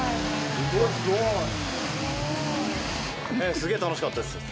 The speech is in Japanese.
すげぇ楽しかったです。